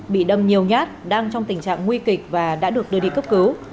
bị đâm nhiều nhát đang trong tình trạng nguy kịch và đã được đưa đi cấp cứu